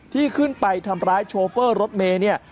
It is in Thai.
ที่ขึ้นไปทำร้ายโชเฟอร์รถเมย์เนี่ย